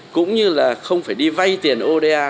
cũng như là không phải đi vay tiền oda